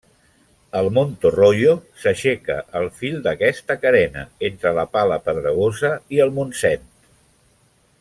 El Montorroio s'aixeca al fil d'aquesta carena, entre la Pala Pedregosa i el Montsent.